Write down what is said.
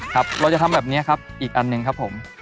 ครับเราจะทำแบบนี้ครับอีกอันหนึ่งครับผม